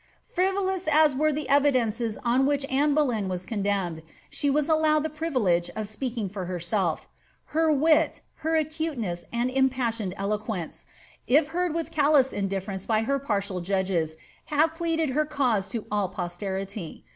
Frivolous as were the evidences on which Anne Boleyn was con demned, she was allowed the privdegc of speaking for herself. Her wit, Iwi aculeneas, and impassioned eloquence, if heard with callous inillRcr nee by her partial judges, have pleaded her cause to all posterity.